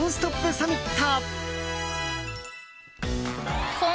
サミット。